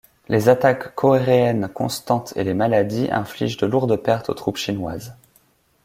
Les attaques coréennes constantes et les maladies infligent de lourdes pertes aux troupes chinoises.